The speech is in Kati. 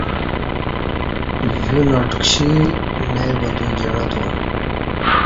یُوہ ناٹ کشی نےبا تو جعں توم